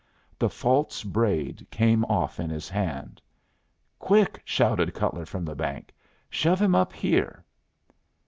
The false braid came off in his hand! "Quick!" shouted Cutler from the bank. "Shove him up here!"